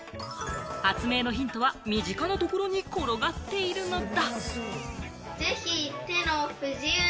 発明のヒントは身近なところに転がっているのだ。